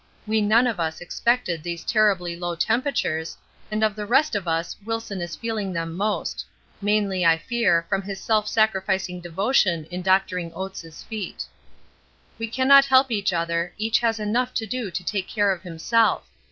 We none of us expected these terribly low temperatures, and of the rest of us Wilson is feeling them most; mainly, I fear, from his self sacrificing devotion in doctoring Oates' feet. We cannot help each other, each has enough to do to take care of himself.